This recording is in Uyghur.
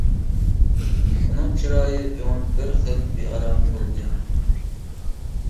ئۇنىڭ چىرايى ئۆڭۈپ بىر خىل بىئارام بولدى.